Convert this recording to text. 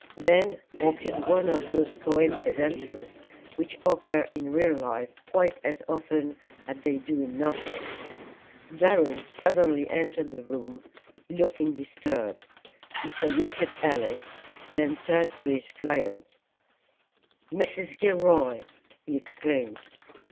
Then occurred one of those coincidences which occur in real life quite as often as they do in novels. Durham suddenly entered the room, looking disturbed. He saluted Alice, then turned to his client "Mrs. Gilroy!" he exclaimed.